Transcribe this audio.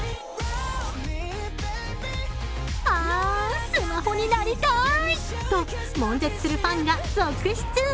あん、スマホになりたいともん絶するファンが続出。